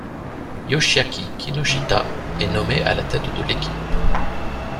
Yoshiaki Kinoshita est nommé à la tête de l'équipe.